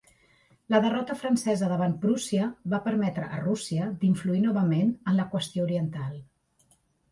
La derrota francesa davant Prússia va permetre a Rússia d'influir novament en la qüestió oriental.